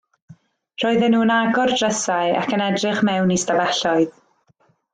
Roedden nhw yn agor drysau ac yn edrych mewn i stafelloedd.